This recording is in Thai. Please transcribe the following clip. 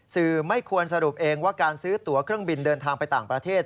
ไม่ควรสรุปเองว่าการซื้อตัวเครื่องบินเดินทางไปต่างประเทศ